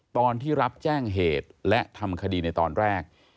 ตอนที่รับแจ้งเหตุและทำคดีในตอนแรก